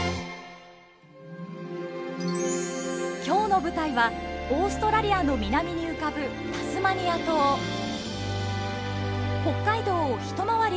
今日の舞台はオーストラリアの南に浮かぶタスマニア島。